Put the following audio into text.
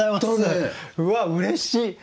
うわっうれしい。